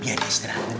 biar dia istirahat